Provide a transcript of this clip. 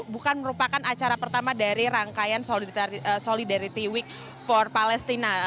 bukan merupakan acara pertama dari rangkaian solidarity week for palestina